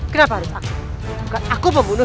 dasar berampuk berampuk kampung